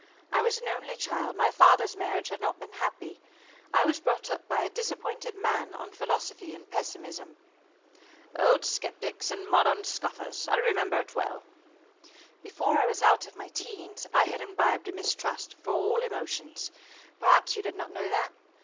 I was an only child. My father's marriage had not been happy. I was brought up by a disappointed man on philosophy and pessimism." "Old sceptics, and modern scoffers. I remember it well." "Before I was out of my teens, I had imbibed a mistrust for all emotions. Perhaps you did not know that?